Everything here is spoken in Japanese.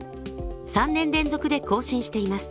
３年連続で更新しています。